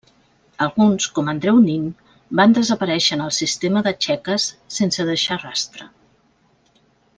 Alguns, com Andreu Nin, van desaparèixer en el sistema de txeques sense deixar rastre.